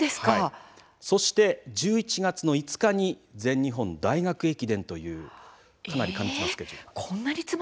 そして１１月５日に全日本大学駅伝というかなり過密なスケジュールです。